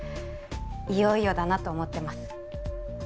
いよいよだなと思ってます